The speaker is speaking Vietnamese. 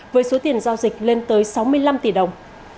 với số tiền giao dịch lên tới sáu mươi năm tỷ đồng